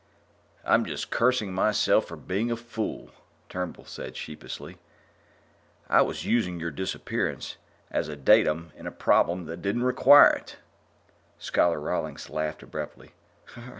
"I'm just cursing myself for being a fool," Turnbull said sheepishly. "I was using your disappearance as a datum in a problem that didn't require it." Scholar Rawlings laughed abruptly.